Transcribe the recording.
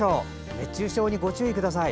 熱中症にご注意ください。